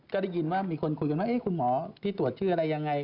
ก็ได้ยินว่ามีคนคุยกันว่าคุณหมอที่ตรวจชื่ออะไรยังไง